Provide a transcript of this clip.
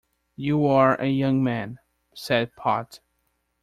‘You are a young man,’ said Pott.